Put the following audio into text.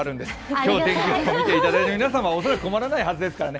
今日、天気予報を見ていただいている皆様、恐らく困らないはずですからね。